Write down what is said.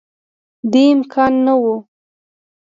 دې امکان نه وو